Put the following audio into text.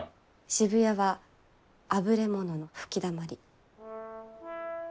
渋谷はあぶれ者の吹きだまり。